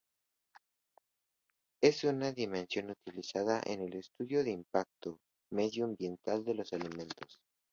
Es una dimensión utilizada en el estudio del impacto medioambiental de los alimentos.